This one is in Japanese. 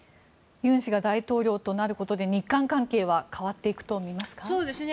ユン氏が大統領となることで日韓関係は変わっていくとみますか？